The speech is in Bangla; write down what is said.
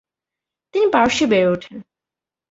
তিনি পারস্যে বেড়ে উঠেন।